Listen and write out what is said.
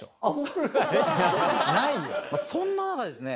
そんな中ですね